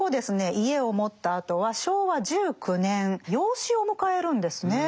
家を持ったあとは昭和１９年養子を迎えるんですね。